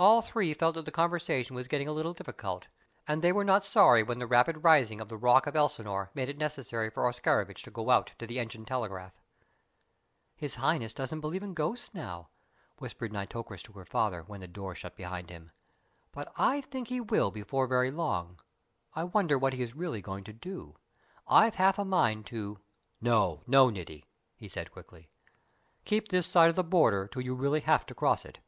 All three felt that the conversation was getting a little difficult, and they were not sorry when the rapid rising of the rock of Elsinore made it necessary for Oscarovitch to go out to the engine telegraph. "His Highness doesn't believe in ghosts now," whispered Nitocris to her father, when the door shut behind him, "but I think he will before very long. I wonder what he is really going to do? I've half a mind to " "No, no, Niti," he said quickly; "keep this side of the Border till you really have to cross it.